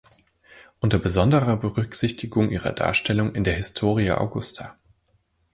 Unter besonderer Berücksichtigung ihrer Darstellung in der "Historia Augusta"".